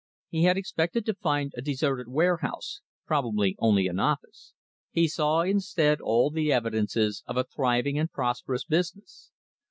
He had expected to find a deserted warehouse probably only an office. He saw instead all the evidences of a thriving and prosperous business.